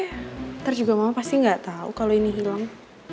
ntar juga mama pasti gak tau kalau ini hilang